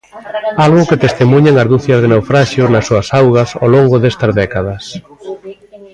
Algo que testemuñan as ducias de naufraxios nas súas augas ao longo destas décadas.